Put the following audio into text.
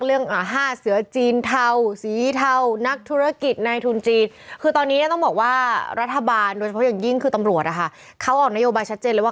เรื่องนะ